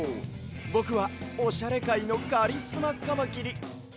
ぼくはオシャレかいのカリスマカマキリカリカマです！